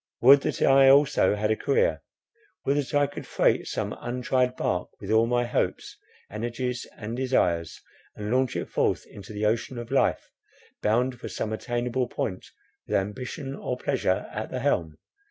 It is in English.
Would that I also had a career! Would that I could freight some untried bark with all my hopes, energies, and desires, and launch it forth into the ocean of life—bound for some attainable point, with ambition or pleasure at the helm!